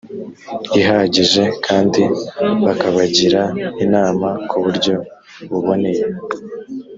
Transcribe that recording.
ihagije kandi bakabagira inama ku buryo buboneye